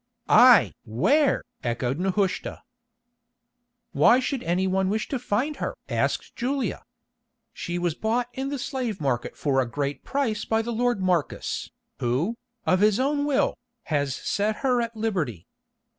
"Aye! where?" echoed Nehushta. "Why should any one wish to find her?" asked Julia. "She was bought in the slave market for a great price by the lord Marcus, who, of his own will, has set her at liberty.